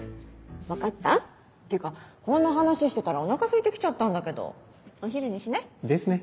分かった？っていうかこんな話してたらお腹すいてきちゃったんだけどお昼にしない？ですね